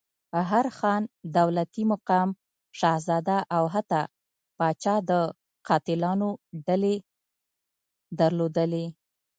هر خان، دولتي مقام، شهزاده او حتی پاچا د قاتلانو ډلې درلودلې.